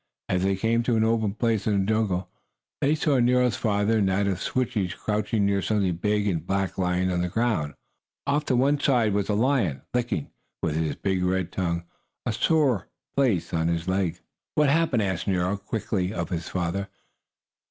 As they came to an open place in the jungle they saw Nero's father and that of Switchie crouching near something big and black lying on the ground. Off to one side was a lion, licking, with his big red tongue, a sore place on his leg. "What happened?" asked Nero quickly, of his father.